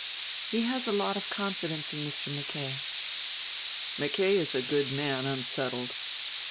"He has a lot of confidence in Mr. McKay." "McKay is a good man unsettled.